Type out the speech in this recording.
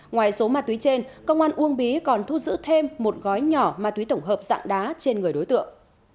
ngoài số ma túy trên công an uông bí còn thu giữ thêm một gói nhỏ ma túy tổng hợp dạng đá trên người đối tượng